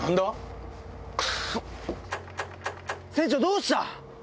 船長どうした？